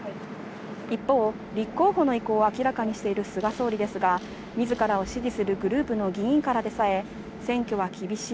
一方、立候補の意向を明らかにしている菅総理ですが、自らを支持するグループの議員からでさえ、選挙は厳しい。